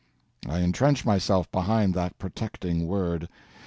I entrench myself behind that protecting word.